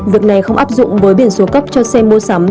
việc này không áp dụng với biển số cấp cho xe mua sắm